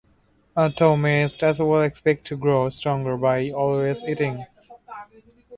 Thou mayest as well expect to grow stronger by always eating.